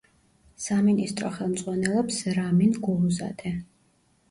სამინისტრო ხელმძღვანელობს რამინ გულუზადე.